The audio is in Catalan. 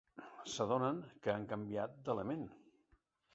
S'adonen que han canviat d'element.